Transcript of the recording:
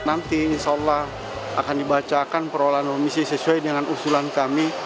nanti insya allah akan dibacakan perolahan komisi sesuai dengan usulan kami